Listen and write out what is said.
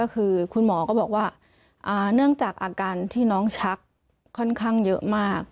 คือคุณหมอก็บอกว่าเนื่องจากอาการที่น้องชักค่อนข้างเยอะมาก